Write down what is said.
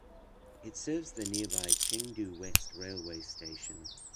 It serves the nearby Chengdu West railway station.